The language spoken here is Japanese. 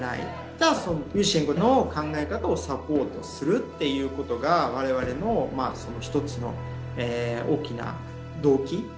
じゃあそのユーシェンコの考え方をサポートするっていうことが我々の一つの大きな動機。